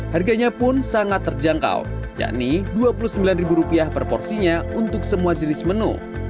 harganya pun sangat terjangkau yakni rp dua puluh sembilan per porsinya untuk semua jenis menu